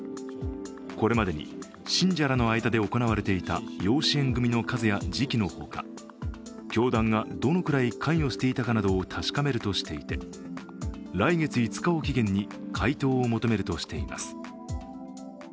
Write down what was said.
これまでに信者らの間で行われていた養子縁組みの数や時期などの他教団がどのくらい関与していたかなどを確かめるとしていて、来月５日を期限に回答を求めるとしています。